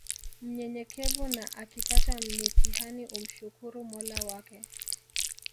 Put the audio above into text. mnyenyekevu na akipata mitihani umshukuru mola wake